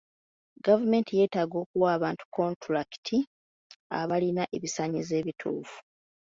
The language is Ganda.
Gavumenti yeetaaga okuwa abantu kontulakiti abalina ebisaanyizo ebituufu.